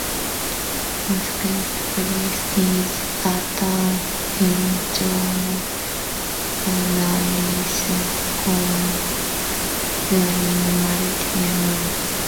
"Mosquito Press" is a term in journalism coined during Martial Law.